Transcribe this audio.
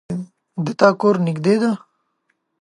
د تا کور نږدې ده